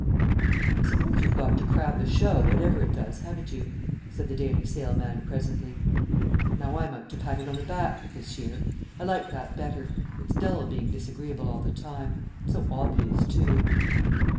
"I suppose you've got to crab the show, whatever it does, haven't you," said the Daily Sale man presently. "Now I'm out to pat it on the back this year. I like that better. It's dull being disagreeable all the time; so obvious, too."